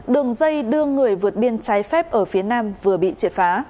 đường dây đưa người vượt biên trái phép ở phía nam vừa bị triệt phá